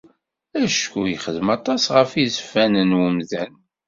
Acku yexdem aṭas ɣef yizefan n umdan.